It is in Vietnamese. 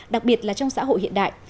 đặc biệt là trong xã hội hiện đại